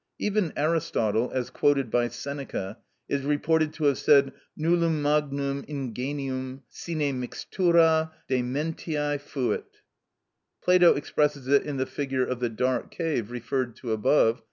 Even Aristotle, as quoted by Seneca (De Tranq. Animi, 15, 16), is reported to have said: Nullum magnum ingenium sine mixtura dementiæ fuit. Plato expresses it in the figure of the dark cave, referred to above (De Rep.